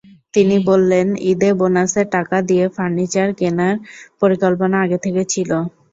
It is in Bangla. তিনি বললেন, ঈদে বোনাসের টাকা দিয়ে ফার্নিচার কেনার পরিকল্পনা আগে থেকেই ছিল।